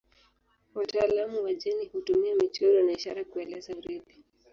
Wataalamu wa jeni hutumia michoro na ishara kueleza urithi.